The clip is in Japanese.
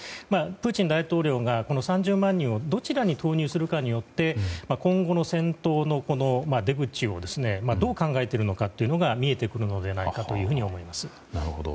プーチン大統領がこの３０万人をどちらに投入するかによって今後の戦闘の出口をどう考えているのかが見えてくるのではないかと思います。